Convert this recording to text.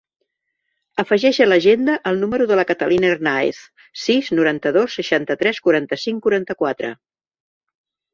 Afegeix a l'agenda el número de la Catalina Hernaez: sis, noranta-dos, seixanta-tres, quaranta-cinc, quaranta-quatre.